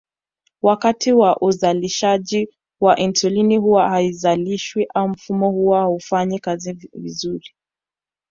Wakati wa uzalishaji wa insulini huwa haizalishwi au mfumo huwa haufanyi kazi vizuri